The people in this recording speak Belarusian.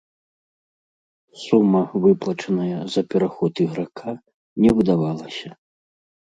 Сума, выплачаная за пераход іграка, не выдавалася.